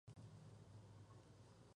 El poder absoluto de los reyes no era tal.